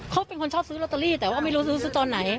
เขาเป็นคนชอบซื้อลอตเตอรี่แต่ว่าไม่รู้ซื้อตอนไหน